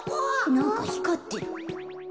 なんかひかってる。